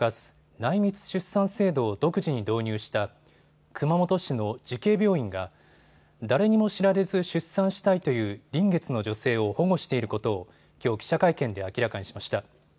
内密出産制度を独自に導入した熊本市の慈恵病院が誰にも知られず出産したいという臨月の女性を保護していることをきょう記者会見で明らかにしました。